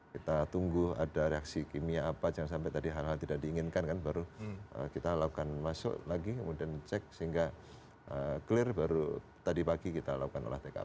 kita tunggu ada reaksi kimia apa jangan sampai tadi hal hal tidak diinginkan kan baru kita lakukan masuk lagi kemudian cek sehingga clear baru tadi pagi kita lakukan olah tkp